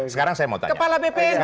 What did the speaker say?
sekarang saya mau tanya